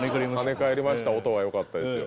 跳ね返りました音がよかったですよ